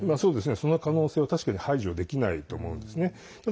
その可能性は確かに排除できないと思うんですね。